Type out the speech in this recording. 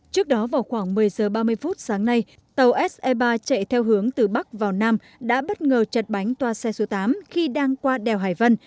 trước đó vào khoảng một mươi giờ ba mươi phút sáng nay tàu se ba chạy theo hướng từ bắc vào nam đã bất ngờ chật bánh toa xe số tám khi đang qua đèo hải vân